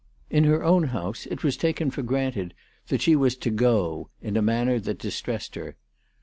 In her own house it was taken for granted that she was to " go," in a manner that distressed her.